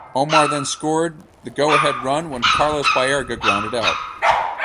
Omar then scored the go-ahead run when Carlos Baerga grounded out.